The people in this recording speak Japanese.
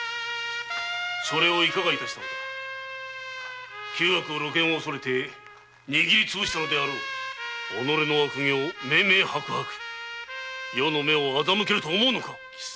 それをいかが致した旧悪露見を恐れて握りつぶしたのであろう貴様の悪行は明々白々余の目を欺けると思うのか貴様